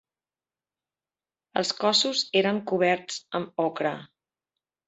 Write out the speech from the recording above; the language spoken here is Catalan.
Els cossos eren coberts amb ocre.